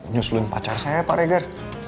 nyusulin pacar saya ya pak regar